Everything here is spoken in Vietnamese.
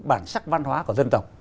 bản sắc văn hóa của dân tộc